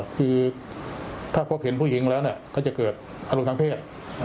คือถ้าพบเห็นผู้หญิงแล้วก็จะเกิดอารมณ์ทางเพศ